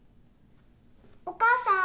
お母さん？